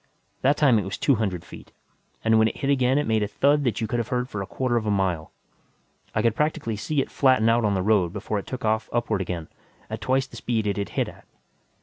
That time it was two hundred feet, and when it hit again, it made a thud that you could have heard for a quarter of a mile. I could practically see it flatten out on the road before it took off upward again, at twice the speed it had hit at.